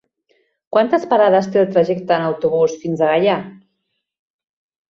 Quantes parades té el trajecte en autobús fins a Gaià?